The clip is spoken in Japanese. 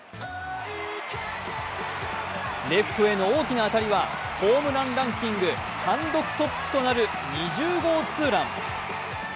レフトへの大きな当たりは、ホームランランキング単独トップとなる２０号ツーラン。